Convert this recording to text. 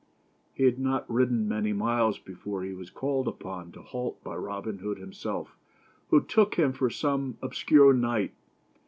He had not ridden many miles before he was called upon to halt by Robin Hood himself, who took him for some ob scure knight.